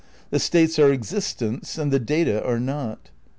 The states are existents and the data are not.